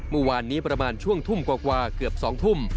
เมื่อวานนี้ประมาณช่วงทุ่มกว่าเกือบ๒ทุ่ม